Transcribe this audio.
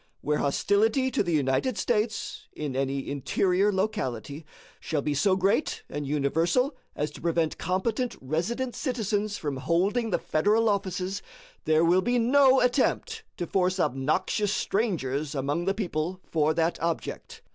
Where hostility to the United States, in any interior locality, shall be so great and universal as to prevent competent resident citizens from holding the Federal offices, there will be no attempt to force obnoxious strangers among the people for that object.